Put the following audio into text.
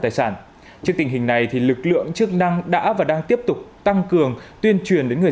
tài sản trước tình hình này lực lượng chức năng đã và đang tiếp tục tăng cường tuyên truyền đến người